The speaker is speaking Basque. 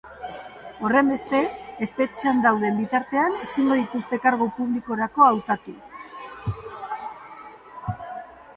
Horrenbestez, espetxean dauden bitartean ezingo dituzte kargu publikorako hautatu.